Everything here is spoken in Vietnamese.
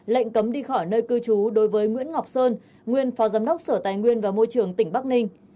lệnh cấm đi khỏi nơi cư trú đối với nguyễn ngọc sơn nguyên phó giám đốc sở tài nguyên và môi trường tỉnh bắc ninh